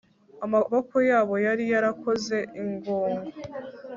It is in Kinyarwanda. Amaboko yabo yari yarakoze ingogo